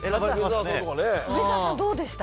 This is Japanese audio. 梅沢さん、どうでした？